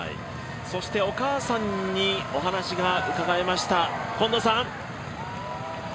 そしてお母さんにお話が伺えました。